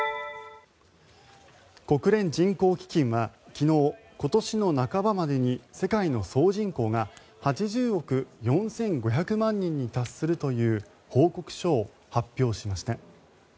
国連人口基金は昨日今年の半ばまでに世界の総人口が８０億４５００万人に達するという報告書を発表しました。